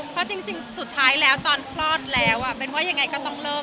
เพราะจริงสุดท้ายแล้วตอนคลอดแล้วเป็นว่ายังไงก็ต้องเลิก